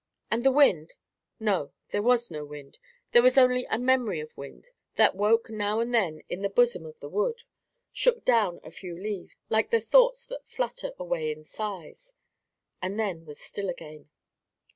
And the wind—no, there was no wind—there was only a memory of wind that woke now and then in the bosom of the wood, shook down a few leaves, like the thoughts that flutter away in sighs, and then was still again.